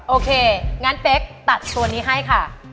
โอเคงั้นเป๊กตัดตัวนี้ให้ค่ะ